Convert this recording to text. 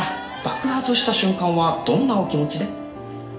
爆発した瞬間はどんなお気持ちで？